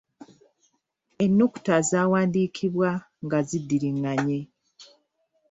Ennukuta zaawandiikibwa nga ziddiringanye.